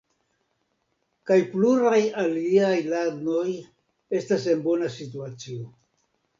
kaj pluraj aziaj landoj estas en bona situacio.